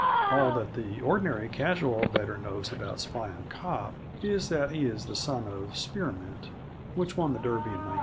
All that the ordinary casual better knows about Spion Kop is that he is the son of Spearmint, which won the Derby in 1906.